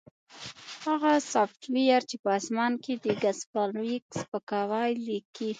هغه سافټویر چې په اسمان کې د ګس فارویک سپکاوی لیکي